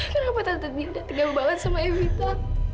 kenapa tante dina dengar banget sama vita